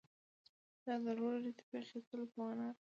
دا د لوړې رتبې اخیستلو په معنی ده.